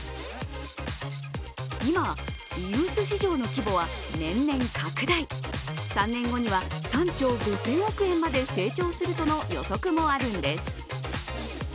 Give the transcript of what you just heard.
今、リユース市場の規模は年々拡大３年後には３兆５０００億円まで成長するとの予測もあるんです。